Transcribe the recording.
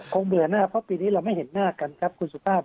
เบื่อหน้าเพราะปีนี้เราไม่เห็นหน้ากันครับคุณสุภาพ